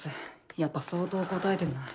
やっぱ相当こたえてんな。